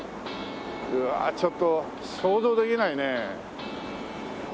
うわちょっと想像できないね。